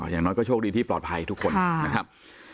อย่างน้อยก็โชคดีที่ปลอดภัยทุกคนนะครับ